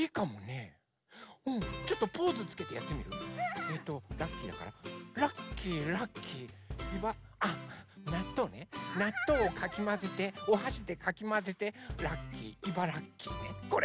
えっとラッキーだからラッキーラッキーいばあっなっとうねなっとうをかきまぜておはしでかきまぜてラッキーいばらっきーねこれ。